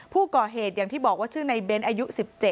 ผู้ก่อเหตุอย่างที่บอกว่าชื่อในเบ้นอายุ๑๗